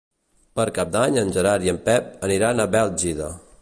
Per Cap d'Any en Gerard i en Pep aniran a Bèlgida.